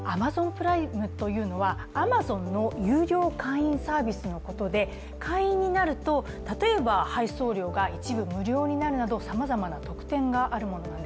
プライムというのはアマゾンの有料会員サービスのことで会員になると例えば配送料が一部無料になるなどさまざまな特典があります。